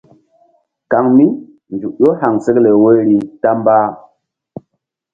Kaŋ mí nzuk ƴó haŋsekle woyri ta mba.